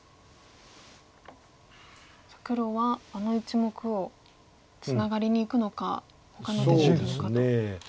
さあ黒はあの１目をツナがりにいくのかほかの手でいくのかと。